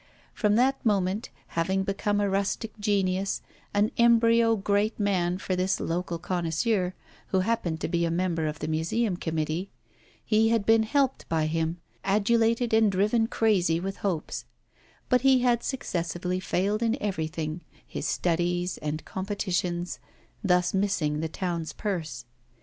From that moment, having become a rustic genius, an embryo great man for this local connoisseur, who happened to be a member of the museum committee, he had been helped by him, adulated and driven crazy with hopes; but he had successively failed in everything his studies and competitions thus missing the town's purse.